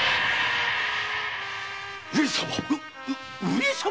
上様！？